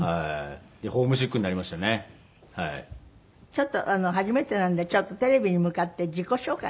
ちょっと初めてなんでテレビに向かって自己紹介。